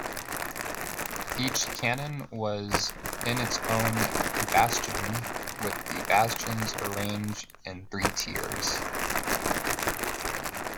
Each cannon was in its own bastion, with the bastions arranged in three tiers.